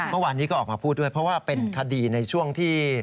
เมื่อวานนี้ก็ออกมาพูดด้วยเพราะว่าเป็นคดีในช่วงที่